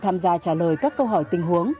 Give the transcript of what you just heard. tham gia trả lời các câu hỏi tình huống